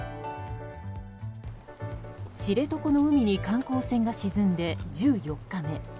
知床の海に観光船が沈んで１４日目。